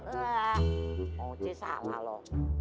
eh mau ceh salah loh